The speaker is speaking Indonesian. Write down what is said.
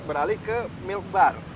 beralih ke milk bar